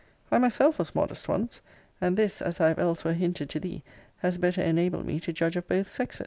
I myself was modest once; and this, as I have elsewhere hinted to thee,* has better enabled me to judge of both sexes.